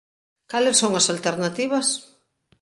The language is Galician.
Cales son as alternativas?